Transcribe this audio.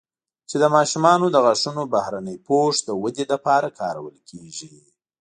چې د ماشومانو د غاښونو بهرني پوښ د ودې لپاره کارول کېږي